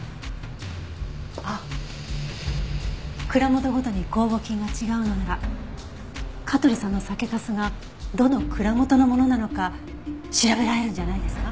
あっ蔵元ごとに酵母菌が違うのなら香取さんの酒粕がどの蔵元のものなのか調べられるんじゃないですか？